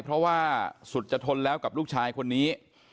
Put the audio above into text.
เพราะว่าสุดจะทนแล้วกับลูกชายคนนี้